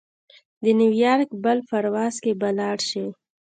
د نیویارک بل پرواز کې به لاړشې.